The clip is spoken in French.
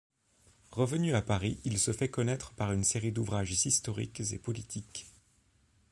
Revenu à Paris, il se fait connaître par une série d'ouvrages historiques et politiques.